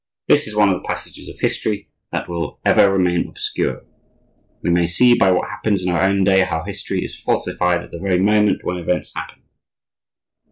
This is one of the passages of history that will ever remain obscure. We may see by what happens in our own day how history is falsified at the very moment when events happen.